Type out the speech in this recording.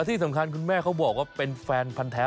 ที่สำคัญคุณแม่เขาบอกว่าเป็นแฟนพันธ์แท้